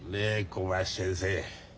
小林先生。